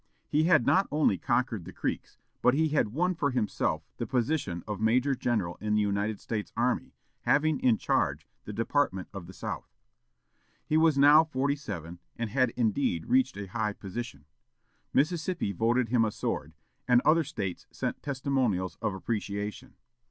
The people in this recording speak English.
He had not only conquered the Creeks, but he had won for himself the position of major general in the United States army, having in charge the department of the South. He was now forty seven, and had indeed reached a high position. Mississippi voted him a sword, and other States sent testimonials of appreciation.